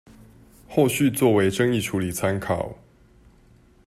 後續作為爭議處理參考